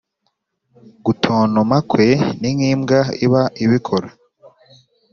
gutontoma kwe n'inkimbwa iba ibikora